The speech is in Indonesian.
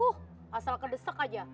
huh asal kedesek aja